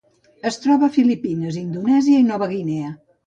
Es troba a les Filipines, Indonèsia i Nova Guinea.